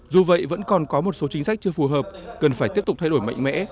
dù vậy vẫn còn có một số chính sách chưa phù hợp cần phải tiếp tục thay đổi mạnh mẽ